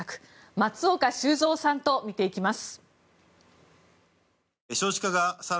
松岡修造さんと見ていきます。